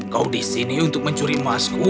kau disini untuk mencuri emasku